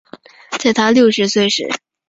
在她六十岁时